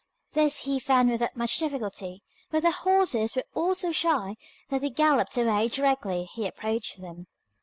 This he found without much difficulty, but the horses were all so shy that they galloped away directly he approached them.